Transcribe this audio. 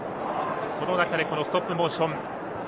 その中でストップモーション。